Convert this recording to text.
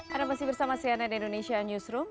ada masih bersama cnn indonesia newsroom